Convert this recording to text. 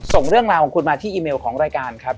ส่งเรื่องราวของคุณมาที่อีเมลของรายการครับ